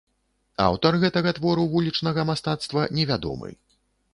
Аўтар гэтага твору вулічнага мастацтва невядомы.